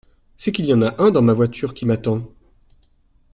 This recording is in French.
C'est qu'il y en a un dans ma voiture qui m'attend.